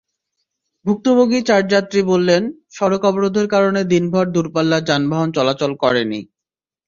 ভুক্তভোগী চার যাত্রী বললেন, সড়ক অবরোধের কারণে দিনভর দূরপাল্লার যানবাহন চলাচল করেনি।